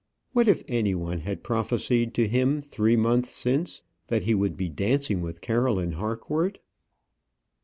What if any one had prophesied to him three months since that he would be dancing with Caroline Harcourt!